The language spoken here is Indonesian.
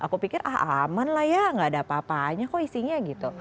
aku pikir ah aman lah ya nggak ada apa apanya kok isinya gitu